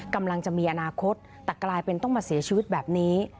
กำลังจะมีอนาคตแต่กลายเป็นต้องมาเสียชีวิตแบบนี้